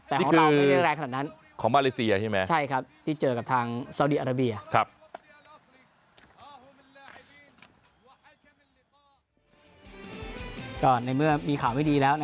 แต่ของเราไม่ได้แรกขนาดนั้น